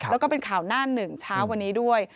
แล้วก็เป็นข่าวหน้าหนึ่งเช้าวันนี้ด้วย